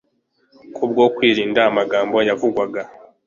kubwo kwirinda amagambo yavugwaga?